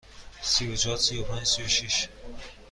سی و چهار، سی و پنج، سی و شش.